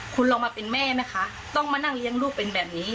คุณลองมาเป็นแม่ไหมคะต้องมานั่งเลี้ยงลูกเป็นแบบนี้